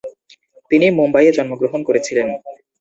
তিনি মুম্বাইয়ে জন্মগ্রহণ করেছিলেন।